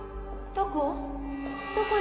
どこ？